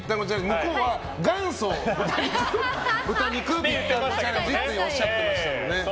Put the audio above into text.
向こうは元祖、豚肉ぴったんこチャレンジっておっしゃってましたね。